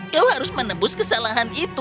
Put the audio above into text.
kau harus menebus kesalahan itu